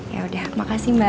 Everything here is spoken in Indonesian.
yaudah makasih mbak